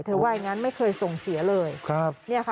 ว่าอย่างนั้นไม่เคยส่งเสียเลย